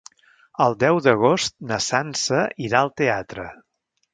El deu d'agost na Sança irà al teatre.